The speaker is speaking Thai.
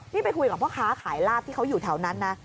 นี่ไปคุยกับพ่อค้าขายลาบที่เขาอยู่แถวนั้นนะ